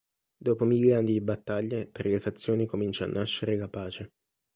Dopo mille anni di battaglie, tra le fazioni comincia a nascere la pace.